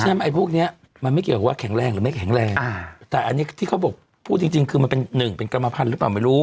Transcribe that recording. ไอ้พวกเนี้ยมันไม่เกี่ยวกับว่าแข็งแรงหรือไม่แข็งแรงอ่าแต่อันนี้ที่เขาบอกพูดจริงจริงคือมันเป็นหนึ่งเป็นกรรมพันธุ์หรือเปล่าไม่รู้